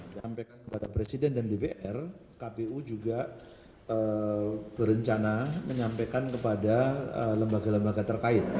sampaikan kepada presiden dan dpr kpu juga berencana menyampaikan kepada lembaga lembaga terkait